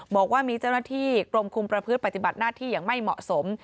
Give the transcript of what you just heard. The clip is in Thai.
บอกว่ามีเจ้าหน้าที่กรมคุมประพฤติปฏิบัติหน้าที่อย่างไม่เหมาะสม